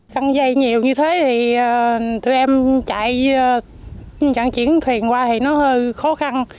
căng dây nhiều như thế thì tụi em chạy trạng chuyển thuyền qua thì nó hơi khó khăn